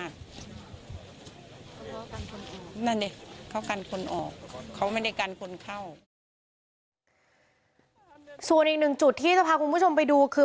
ส่วนอีกหนึ่งจุดที่จะพาคุณผู้ชมไปดูคือ